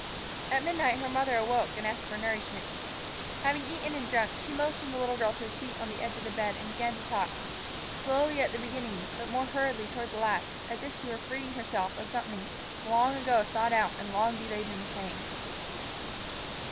At midnight her mother awoke and asked for nourishment. Having eaten and drunk, she motioned the little girl to a seat on the edge of the bed and began to talk, slowly at the beginning but more hurriedly toward the last, as if she were freeing herself of something long ago thought out and long delayed in the saying.